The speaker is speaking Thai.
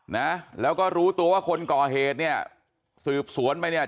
นะแล้วก็รู้ตัวว่าคนก่อเหตุเนี่ยสืบสวนไปเนี่ย